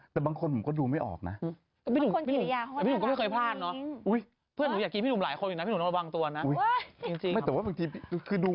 ถ้าคุณตอบสองคนนั้นให้ถูก